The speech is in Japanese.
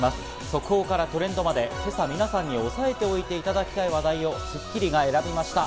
速報からトレンドまで今朝、皆さんに押さえておいていただきたい話題を『スッキリ』が選びました。